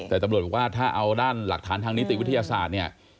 แต่ตำรวจบอกว่าถ้าเอาด้านหลักฐานทางนิติวิทยาศาสตร์เนี่ย